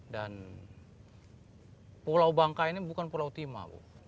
dan pulau bangka ini bukan pulau timah